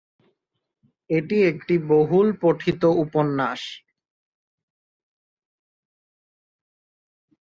এটি একটি বহুল পঠিত উপন্যাস।